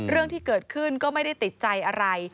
เรื่องที่เกิดขึ้นก็ไม่ได้ติดใจอะไร